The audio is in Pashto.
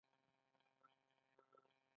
ایا زه باید ماشوم ته زنک ورکړم؟